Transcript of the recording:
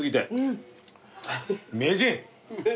名人。